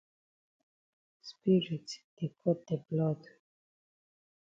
Spirit di cut de blood.